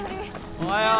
おはよう！